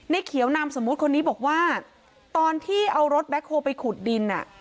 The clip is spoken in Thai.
เขียวนามสมมุติคนนี้บอกว่าตอนที่เอารถแบ็คโฮลไปขุดดินอ่ะ